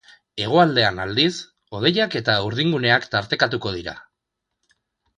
Hegoaldean, aldiz, hodeiak eta urdinguneak tartekatuko dira.